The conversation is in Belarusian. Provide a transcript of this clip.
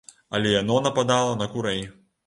Але яно нападала на курэй.